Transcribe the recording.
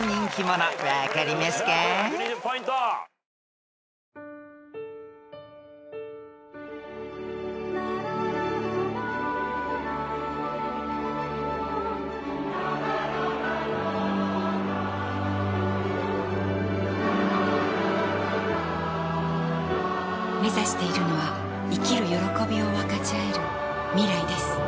ラララめざしているのは生きる歓びを分かちあえる未来です